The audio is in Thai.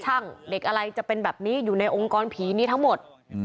เด็กอะไรจะเป็นแบบนี้อยู่ในองค์กรผีนี้ทั้งหมด